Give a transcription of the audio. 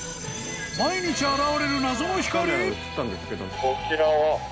毎日現れる謎の光？